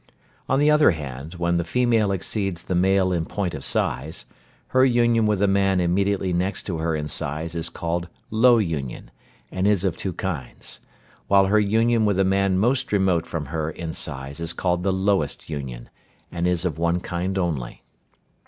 On the other hand when the female exceeds the male in point of size, her union with a man immediately next to her in size is called low union, and is of two kinds; while her union with a man most remote from her in size is called the lowest union, and is of one kind only.